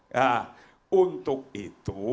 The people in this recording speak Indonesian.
nah untuk itu